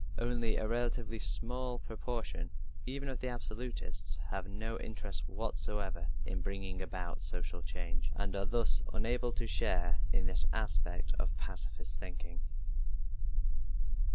Only a relatively small proportion, even of the absolutists, have no interest whatever in bringing about social change, and are thus unable to share in this aspect of pacifist thinking.